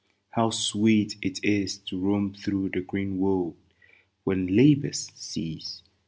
How sweet it is to roam through the green wold When labors cease